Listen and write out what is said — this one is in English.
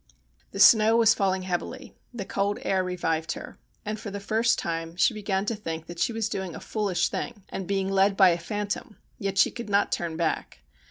The snow was falling heavily, the cold air revived her, and for the first time she began to think that she was doing a foolish thing, and being led by a phantom, yet she could not turn back.